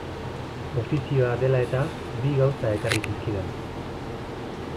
Ofizioa dela-eta, bi gauza ekarri zizkidan.